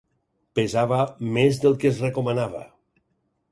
Pesava més del que es recomanava.